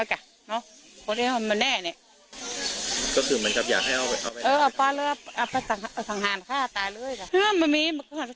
คือคู่ที่มันพยายามให้ออกไป